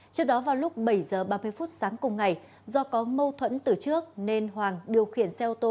trước đó vào lúc bảy h ba mươi phút sáng cùng ngày do có mâu thuẫn từ trước nên hoàng điều khiển xe ô tô